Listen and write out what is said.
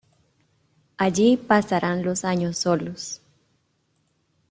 Allí pasarán los años solos.